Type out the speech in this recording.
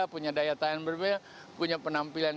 punya daya tahan berbeda punya penampilan